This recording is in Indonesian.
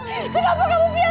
ada yang lihat kamu